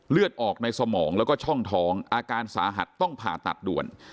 เลือดออกในสมองแล้วก็ช่องท้องอาการสาหัสต้องผ่าตัดด่วน